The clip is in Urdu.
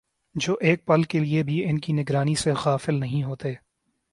جو ایک پل کے لیے بھی ان کی نگرانی سے غافل نہیں ہوتے